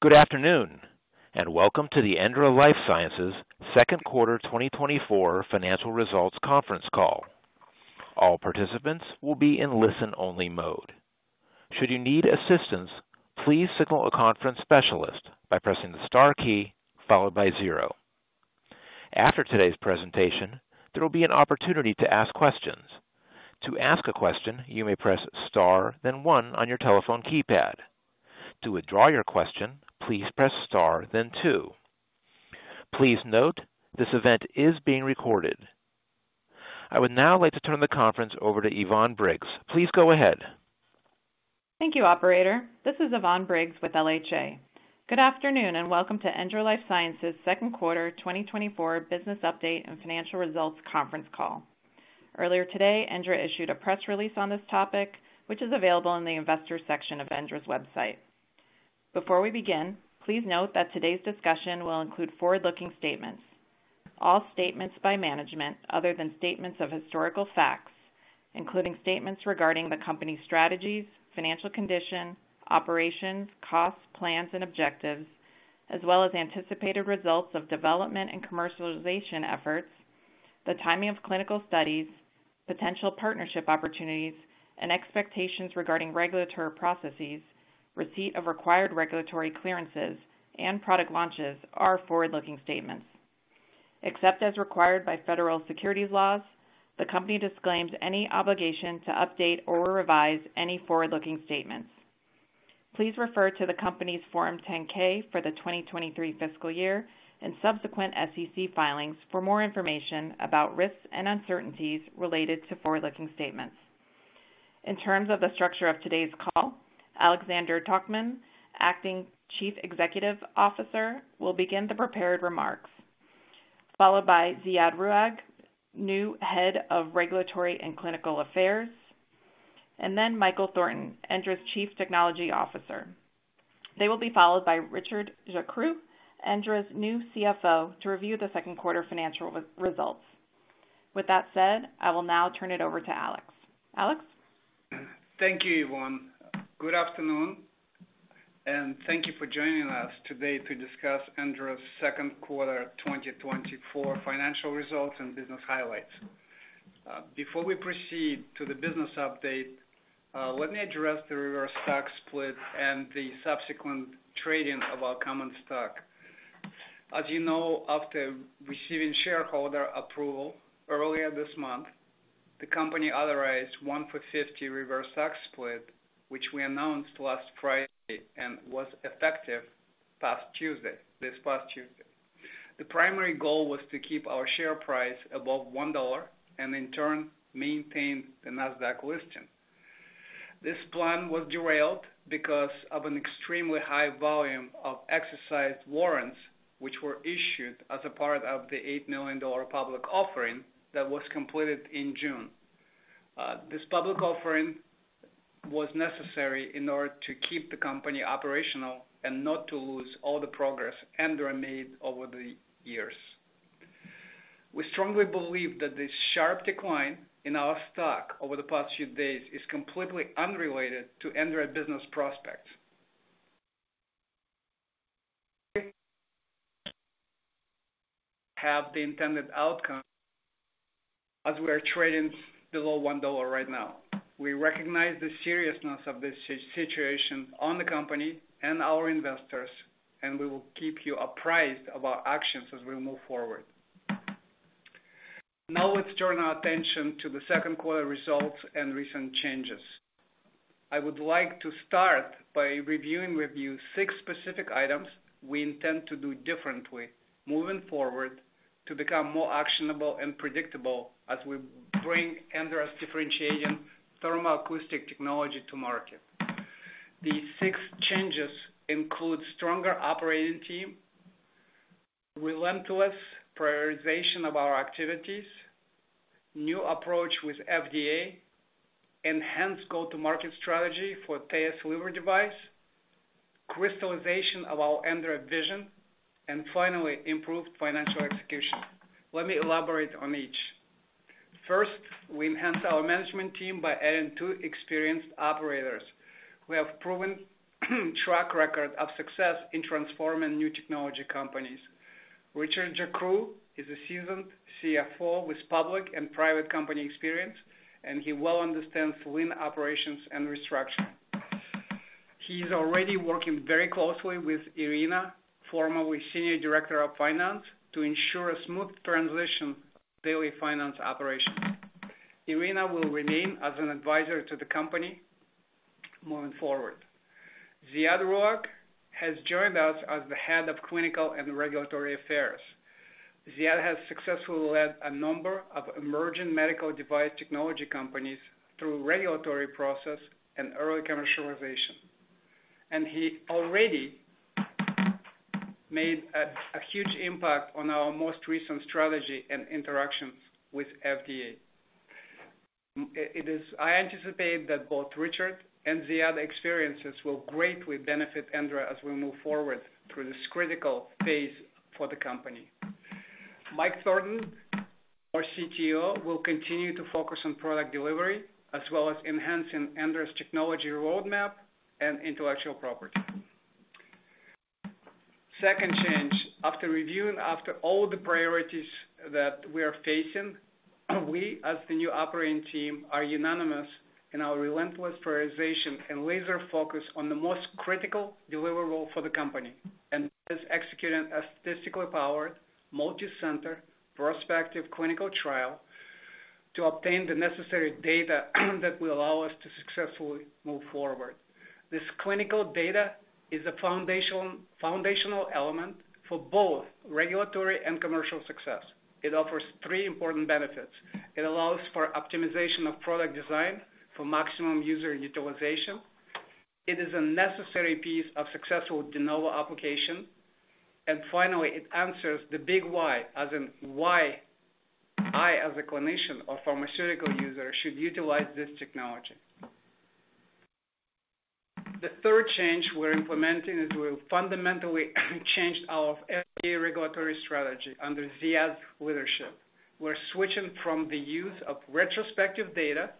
Good afternoon, and welcome to the Endra Life Sciences second quarter 2024 financial results conference call. All participants will be in listen-only mode. Should you need assistance, please signal a conference specialist by pressing the star key followed by zero. After today's presentation, there will be an opportunity to ask questions. To ask a question, you may press star, then one on your telephone keypad. To withdraw your question, please press star, then two. Please note, this event is being recorded. I would now like to turn the conference over to Yvonne Briggs. Please go ahead. Thank you, operator. This is Yvonne Briggs with LHA. Good afternoon, and welcome to Endra Life Sciences second quarter 2024 business update and financial results conference call. Earlier today, Endra issued a press release on this topic, which is available in the Investors section of Endra's website. Before we begin, please note that today's discussion will include forward-looking statements. All statements by management other than statements of historical facts, including statements regarding the company's strategies, financial condition, operations, costs, plans, and objectives, as well as anticipated results of development and commercialization efforts, the timing of clinical studies, potential partnership opportunities, and expectations regarding regulatory processes, receipt of required regulatory clearances and product launches are forward-looking statements. Except as required by federal securities laws, the company disclaims any obligation to update or revise any forward-looking statements. Please refer to the company's Form 10-K for the 2023 fiscal year and subsequent SEC filings for more information about risks and uncertainties related to forward-looking statements. In terms of the structure of today's call, Alexander Tokman, Acting Chief Executive Officer, will begin the prepared remarks, followed by Ziad Rouag, new Head of Regulatory and Clinical Affairs, and then Michael Thornton, Endra's Chief Technology Officer. They will be followed by Richard Jacroux, Endra's new CFO, to review the second quarter financial results. With that said, I will now turn it over to Alex. Alex? Thank you, Yvonne. Good afternoon, and thank you for joining us today to discuss Endra's second quarter 2024 financial results and business highlights. Before we proceed to the business update, let me address the reverse stock split and the subsequent trading of our common stock. As you know, after receiving shareholder approval earlier this month, the company authorized one for 50 reverse stock split, which we announced last Friday and was effective past Tuesday, this past Tuesday. The primary goal was to keep our share price above $1 and in turn, maintain the Nasdaq listing. This plan was derailed because of an extremely high volume of exercised warrants, which were issued as a part of the $8 million public offering that was completed in June. This public offering was necessary in order to keep the company operational and not to lose all the progress Endra made over the years. We strongly believe that the sharp decline in our stock over the past few days is completely unrelated to Endra's business prospects. It did not have the intended outcome as we are trading below $1 right now. We recognize the seriousness of this situation on the company and our investors, and we will keep you apprised of our actions as we move forward. Now, let's turn our attention to the second quarter results and recent changes. I would like to start by reviewing with you six specific items we intend to do differently moving forward, to become more actionable and predictable as we bring Endra's differentiating thermoacoustic technology to market. The six changes include stronger operating team, relentless prioritization of our activities, new approach with FDA, enhanced go-to-market strategy for TAEUS liver device, crystallization of our Endra vision, and finally, improved financial execution. Let me elaborate on each. First, we enhanced our management team by adding two experienced operators. We have proven track record of success in transforming new technology companies. Richard Jacroux is a seasoned CFO with public and private company experience, and he well understands lean operations and restructuring. He's already working very closely with Irina, formerly Senior Director of Finance, to ensure a smooth transition of daily finance operations. Irina will remain as an advisor to the company moving forward. Ziad Rouag has joined us as the Head of Clinical and Regulatory Affairs. Ziad has successfully led a number of emerging medical device technology companies through regulatory process and early commercialization, and he already made a huge impact on our most recent strategy and interactions with FDA. I anticipate that both Richard and Ziad experiences will greatly benefit Endra as we move forward through this critical phase for the company. Mike Thornton, our CTO, will continue to focus on product delivery, as well as enhancing Endra's technology roadmap and intellectual property. Second change, after reviewing, after all the priorities that we are facing, we, as the new operating team, are unanimous in our relentless prioritization and laser focus on the most critical deliverable for the company, and is executing a statistically powered, multicenter, prospective clinical trial to obtain the necessary data, that will allow us to successfully move forward. This clinical data is a foundational element for both regulatory and commercial success. It offers three important benefits. It allows for optimization of product design for maximum user utilization. It is a necessary piece of successful De Novo application, and finally, it answers the big why, as in why I, as a clinician or pharmaceutical user, should utilize this technology? The third change we're implementing is we've fundamentally changed our FDA regulatory strategy under Ziad's leadership. We're switching from the use of retrospective data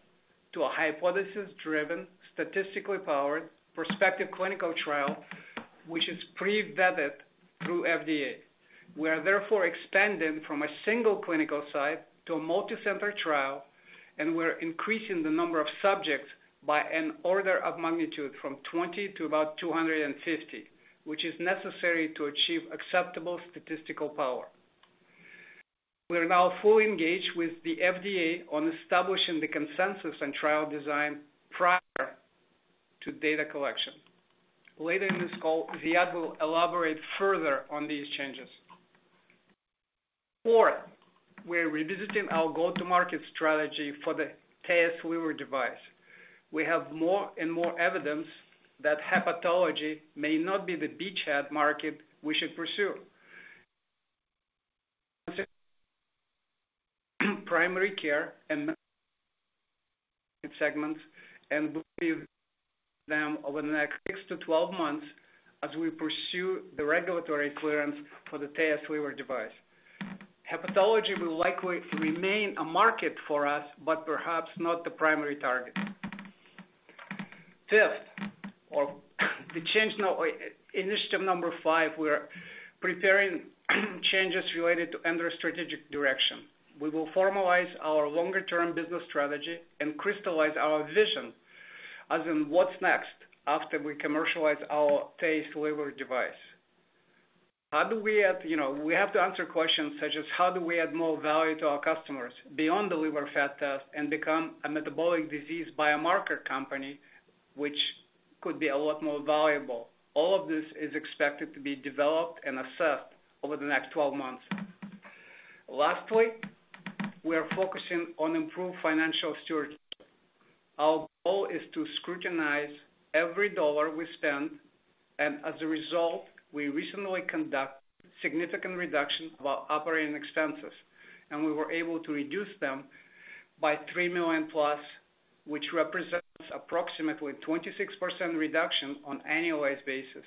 to a hypothesis-driven, statistically powered, prospective clinical trial, which is pre-vetted through FDA. We are therefore expanding from a single clinical site to a multicenter trial, and we're increasing the number of subjects by an order of magnitude from 20 to about 250, which is necessary to achieve acceptable statistical power. We are now fully engaged with the FDA on establishing the consensus and trial design prior to data collection. Later in this call, Ziad will elaborate further on these changes. Four, we're revisiting our go-to-market strategy for the TAEUS liver device. We have more and more evidence that hepatology may not be the beachhead market we should pursue. Primary care and Endo segments, and we'll lead with them over the next six to 12 months as we pursue the regulatory clearance for the TAEUS liver device. Hepatology will likely remain a market for us, but perhaps not the primary target. Fifth, or the change now, or initiative number five, we are preparing changes related to Endra's strategic direction. We will formalize our longer-term business strategy and crystallize our vision as in what's next after we commercialize our TAEUS liver device. How do we add? You know, we have to answer questions such as, how do we add more value to our customers beyond the liver fat test and become a metabolic disease biomarker company, which could be a lot more valuable? All of this is expected to be developed and assessed over the next 12 months. Lastly, we are focusing on improved financial stewardship. Our goal is to scrutinize every dollar we spend, and as a result, we recently conduct significant reduction of our operating expenses, and we were able to reduce them by $3+ million, which represents approximately 26% reduction on annualized basis.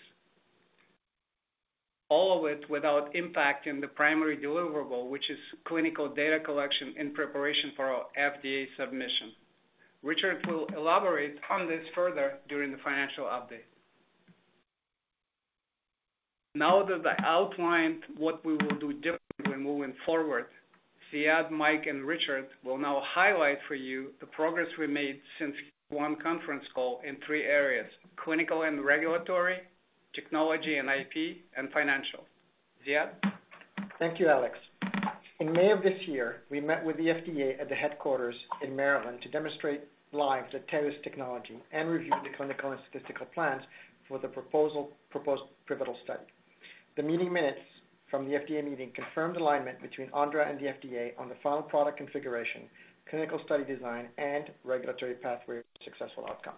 All of it without impacting the primary deliverable, which is clinical data collection in preparation for our FDA submission. Richard will elaborate on this further during the financial update. Now that I outlined what we will do differently when moving forward, Ziad, Mike, and Richard will now highlight for you the progress we made since Q1 conference call in three areas: clinical and regulatory, technology and IP, and financial. Ziad? Thank you, Alex. In May of this year, we met with the FDA at the headquarters in Maryland to demonstrate live the TAEUS technology and review the clinical and statistical plans for the proposed pivotal study. The meeting minutes from the FDA meeting confirmed alignment between Endra and the FDA on the final product configuration, clinical study design, and regulatory pathway for successful outcome.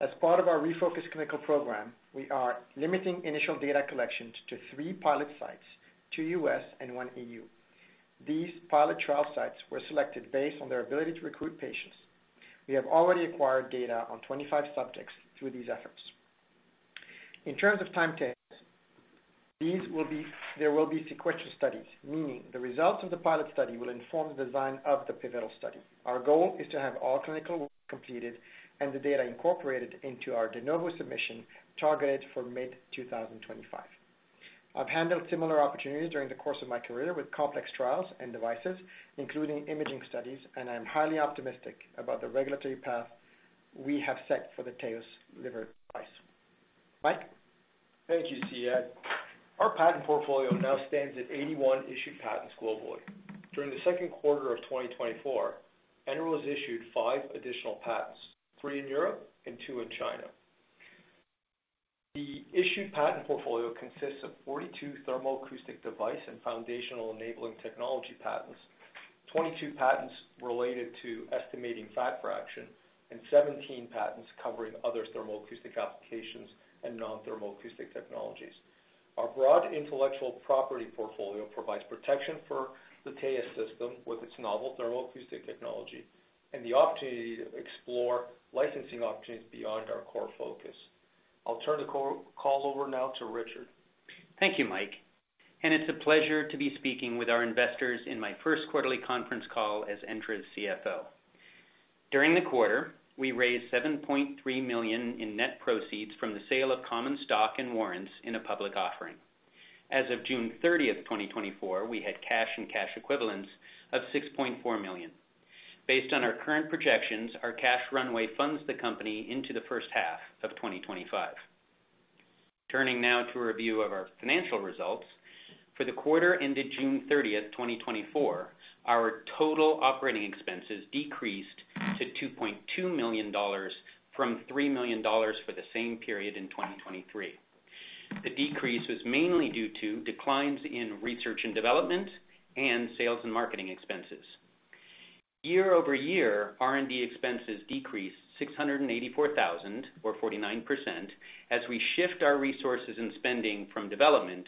As part of our refocused clinical program, we are limiting initial data collections to three pilot sites, two U.S. and one EU These pilot trial sites were selected based on their ability to recruit patients. We have already acquired data on 25 subjects through these efforts. In terms of time frames, there will be sequential studies, meaning the results of the pilot study will inform the design of the pivotal study. Our goal is to have all clinical completed and the data incorporated into our De Novo submission, targeted for mid-2025. I've handled similar opportunities during the course of my career with complex trials and devices, including imaging studies, and I'm highly optimistic about the regulatory path we have set for the TAEUS liver device. Mike? Thank you, Ziad. Our patent portfolio now stands at 81 issued patents globally. During the second quarter of 2024, Endra was issued five additional patents, three in Europe and two in China. The issued patent portfolio consists of 42 thermoacoustic device and foundational enabling technology patents, 22 patents related to estimating fat fraction, and 17 patents covering other thermoacoustic applications and non-thermoacoustic technologies. Our broad intellectual property portfolio provides protection for the TAEUS system with its novel thermoacoustic technology and the opportunity to explore licensing opportunities beyond our core focus.... I'll turn the call over now to Richard. Thank you, Mike, and it's a pleasure to be speaking with our investors in my first quarterly conference call as Endra's CFO. During the quarter, we raised $7.3 million in net proceeds from the sale of common stock and warrants in a public offering. As of June 30, 2024, we had cash and cash equivalents of $6.4 million. Based on our current projections, our cash runway funds the company into the first half of 2025. Turning now to a review of our financial results. For the quarter ended June 30th 2024, our total operating expenses decreased to $2.2 million from $3 million for the same period in 2023. The decrease was mainly due to declines in research and development and sales and marketing expenses. Year-over-year, R&D expenses decreased $684,000 or 49%, as we shift our resources and spending from development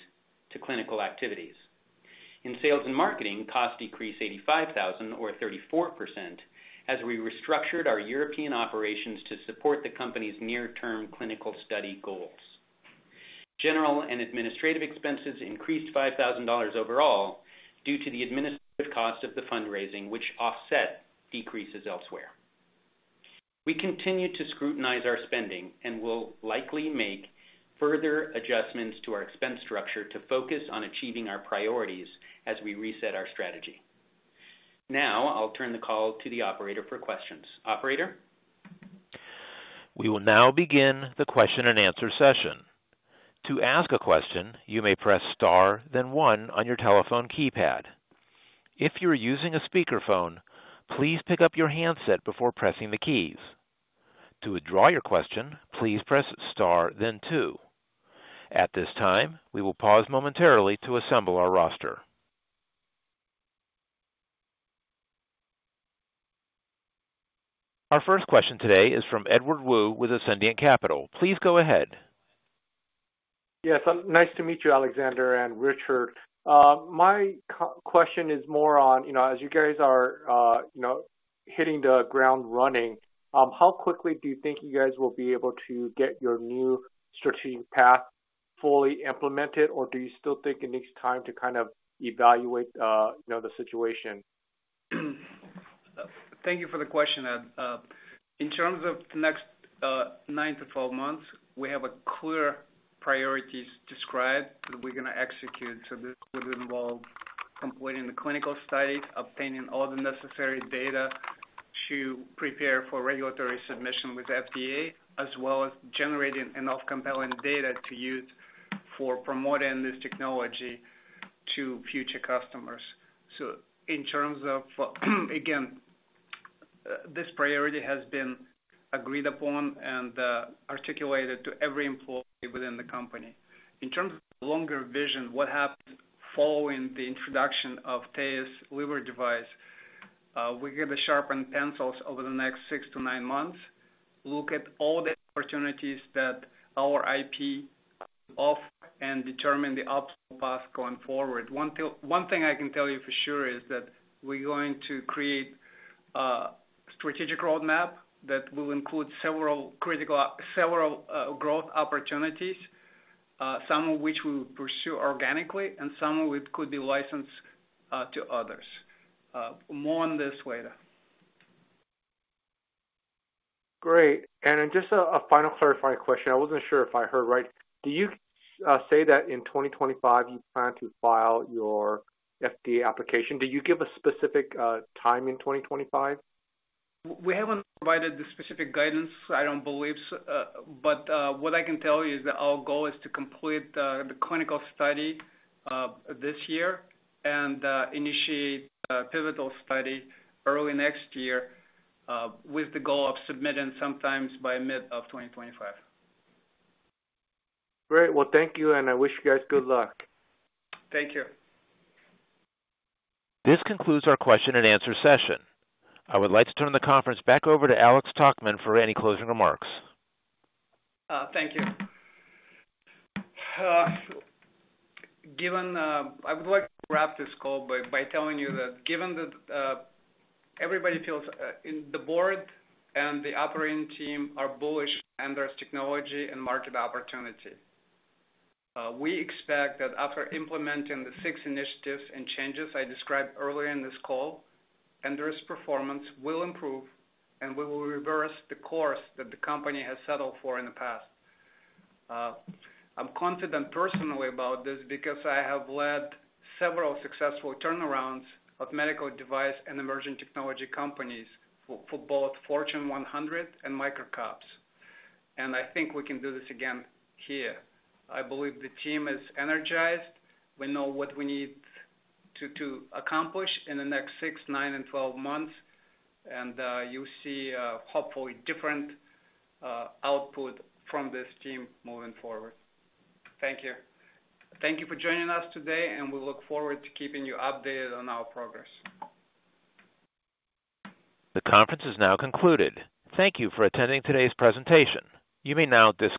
to clinical activities. In sales and marketing, costs decreased $85,000 or 34%, as we restructured our European operations to support the company's near-term clinical study goals. General and administrative expenses increased $5,000 overall due to the administrative cost of the fundraising, which offset decreases elsewhere. We continue to scrutinize our spending and will likely make further adjustments to our expense structure to focus on achieving our priorities as we reset our strategy. Now, I'll turn the call to the operator for questions. Operator? We will now begin the question-and-answer session. To ask a question, you may press star, then one on your telephone keypad. If you are using a speakerphone, please pick up your handset before pressing the keys. To withdraw your question, please press star then two. At this time, we will pause momentarily to assemble our roster. Our first question today is from Edward Woo with Ascendiant Capital. Please go ahead. Yes, nice to meet you, Alexander and Richard. My question is more on, you know, as you guys are, you know, hitting the ground running, how quickly do you think you guys will be able to get your new strategic path fully implemented, or do you still think it needs time to kind of evaluate, you know, the situation? Thank you for the question, Ed. In terms of the next nine to 12 months, we have a clear priorities described that we're going to execute. So this would involve completing the clinical study, obtaining all the necessary data to prepare for regulatory submission with FDA, as well as generating enough compelling data to use for promoting this technology to future customers. So in terms of, again, this priority has been agreed upon and articulated to every employee within the company. In terms of the longer vision, what happens following the introduction of TAEUS liver device? We're going to sharpen pencils over the next six to nine months, look at all the opportunities that our IP offer, and determine the optimal path going forward. One thing I can tell you for sure is that we're going to create a strategic roadmap that will include several critical growth opportunities, some of which we will pursue organically and some of which could be licensed to others. More on this later. Great. And then just a final clarifying question. I wasn't sure if I heard right. Do you say that in 2025 you plan to file your FDA application? Do you give a specific time in 2025? We haven't provided the specific guidance, I don't believe, but what I can tell you is that our goal is to complete the clinical study this year and initiate a pivotal study early next year, with the goal of submitting sometime by mid-2025. Great, well, thank you, and I wish you guys good luck. Thank you. This concludes our question-and-answer session. I would like to turn the conference back over to Alex Tokman for any closing remarks. Thank you. Given, I would like to wrap this call by telling you that given that everybody feels in the board and the operating team are bullish and there's technology and market opportunity. We expect that after implementing the six initiatives and changes I described earlier in this call, Endra's performance will improve, and we will reverse the course that the company has settled for in the past. I'm confident personally about this because I have led several successful turnarounds of medical device and emerging technology companies for both Fortune 100 and Micro Caps, and I think we can do this again here. I believe the team is energized. We know what we need to accomplish in the next six, nine, and twelve months, and you see, hopefully, different output from this team moving forward. Thank you. Thank you for joining us today, and we look forward to keeping you updated on our progress. The conference is now concluded. Thank you for attending today's presentation. You may now disconnect.